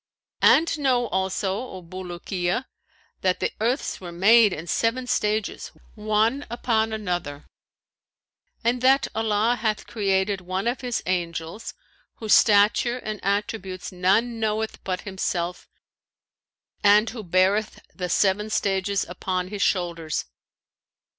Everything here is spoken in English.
And know, also, O Bulukiya, that the earths were made in seven stages, one upon another, and that Allah hath created one of His Angels, whose stature and attributes none knoweth but Himself and who beareth the seven stages upon his shoulders.